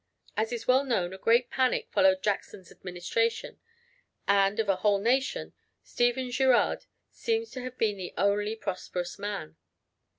As is well known a great panic followed Jackson's administration, and, of a whole nation, Stephen Girard seems to have been the only prosperous man.